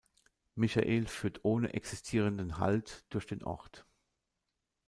Michael führt ohne existierenden Halt durch den Ort.